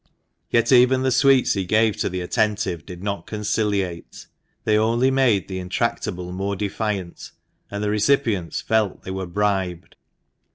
Yet even the sweets he gave to the attentive did not conciliate ; they only made the intractable more defiant ; and the recipients felt they were bribed.